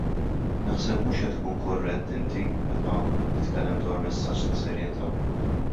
Naħseb mhux qed tkun korrett inti meta titkellem dwar messaġġ ta' serjetà.